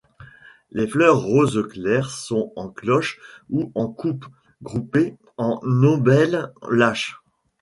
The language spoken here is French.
Les fleurs rose clair sont en cloches ou en coupes, groupées en ombelle lâche.